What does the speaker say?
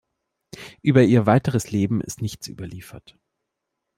Über ihr weiteres Leben ist nichts überliefert.